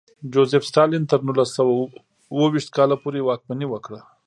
جوزېف ستالین تر نولس سوه اوه ویشت کال پورې واکمني وکړه.